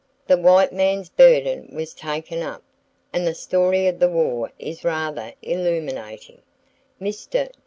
The white man's burden was taken up; and [Page 102] the story of the war is rather illuminating. Mr.